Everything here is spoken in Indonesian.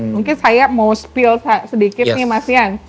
mungkin saya mau spill sedikit nih mas yan